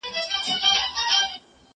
زه اجازه لرم چي سندري واورم،